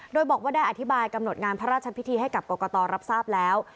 โดยบอกว่าได้อธิบายกำหนดงานพระราชพิธีให้กับกรกตรับทราบแล้ว